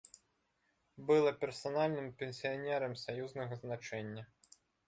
Была персанальным пенсіянерам саюзнага значэння.